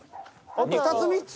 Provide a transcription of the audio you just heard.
２つ３つ？